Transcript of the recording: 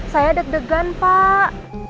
saya deg degan pak